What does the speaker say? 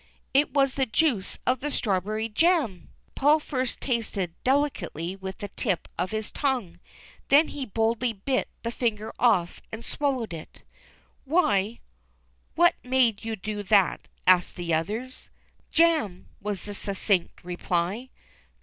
It was the juice of the strawberry jam! Paul first tasted delicately with the tip of his tongue, then he boldly bit the finger off and swallowed it. SNOWY PETER. 347 " Why, what made you do that ?" asked the others, was the succinct reply.